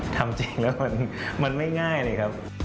ทำจริงแล้วมันไม่ง่ายเลยครับ